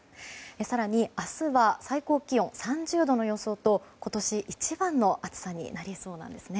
更に明日は最高気温３０度の予想と今年一番の暑さになりそうです。